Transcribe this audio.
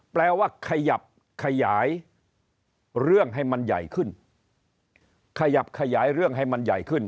แปลว่าขยับขยายเรื่องให้มันใหญ่ขึ้นขยับขยายเรื่องให้มันใหญ่ขึ้น